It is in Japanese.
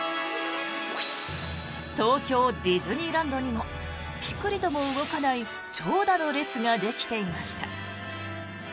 東京ディズニーランドにもピクリとも動かない長蛇の列ができていました。